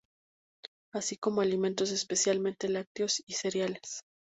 Así como alimentos, especialmente lácteos y cereales.